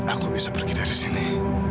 aku bisa pergi dari sini